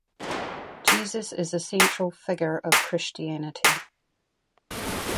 Jesus is the central figure of Christianity.